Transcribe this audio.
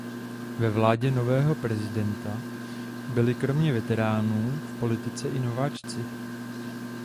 Ve vládě nového prezidenta byli kromě veteránů v politice i nováčci.